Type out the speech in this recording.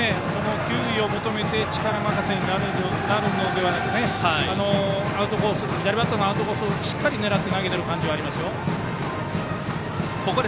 球威を求めて力任せになるのではなく左バッターのアウトコースにしっかり狙って投げてる感じがありますよ。